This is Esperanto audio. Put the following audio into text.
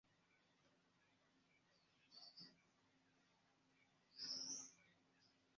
Krom tio en la katedralo okazas multaj aliaj artaj prezentadoj.